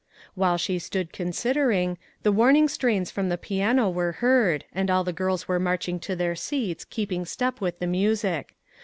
While she stood considering, the warning strains from the piano were heard, and all the girls were marching to their seats, keeping step with the music.